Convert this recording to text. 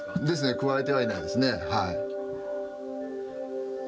加えてはいないですねはい。